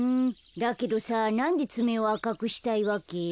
だけどさなんでつめをあかくしたいわけ？